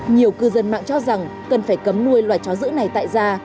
nhiều cư dân mạng cho rằng cần phải cấm nuôi loài chó giữ này tại ra